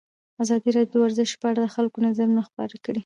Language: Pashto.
ازادي راډیو د ورزش په اړه د خلکو نظرونه خپاره کړي.